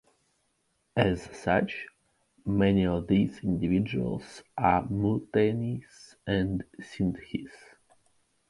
As such, many of these individuals are Multanis and Sindhis.